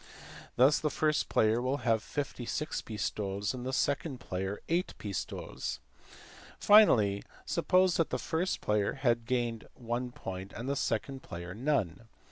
Thus the first player will have 56 pistoles and the second player 8 pistoles. Finally, suppose that the first player has gained one point and the second player none.